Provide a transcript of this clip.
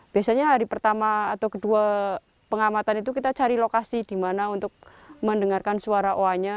biasanya hari pertama atau kedua pengamatan itu kita cari lokasi di mana untuk mendengarkan suara oanya